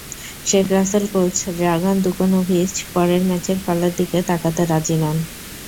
Sheikh Russel coach Dragan Dukanovic পরের ম্যাচের ফলের দিকে তাকাতে রাজি নন।